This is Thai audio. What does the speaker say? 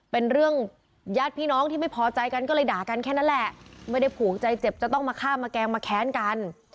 เป็นเรื่องญาติพี่น้องที่ไม่พอใจกันก็เลยด่ากันแค่นั้นแหละไม่ได้ผูกใจเจ็บจะต้องมาฆ่ามาแกล้งมาแค้นกัน